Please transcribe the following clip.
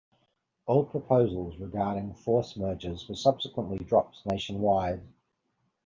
All proposals regarding force mergers were subsequently dropped nationwide.